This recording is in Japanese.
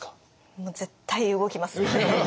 もう絶対動きますね！